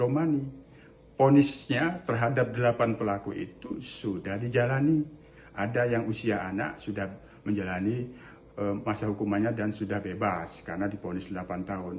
menjalani masa hukumannya dan sudah bebas karena diponis delapan tahun